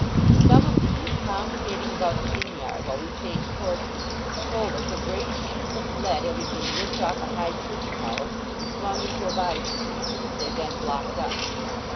Some of these, congregating about the inn yard while we changed horses, told us of great sheets of lead having been ripped off a high church tower, and flung into a by street, which they then blocked up.